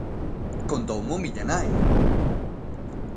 Contoumo miña nai.